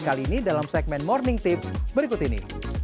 kali ini dalam segmen morning tips berikut ini